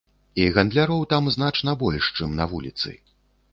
І гандляроў там значна больш, чым на вуліцы.